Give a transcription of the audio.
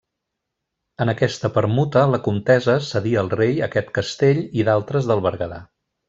En aquesta permuta la comtessa cedí al rei aquest castell i d'altres del Berguedà.